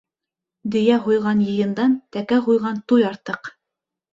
Дөйә һуйған йыйындан Тәкә һуйған туй артыҡ;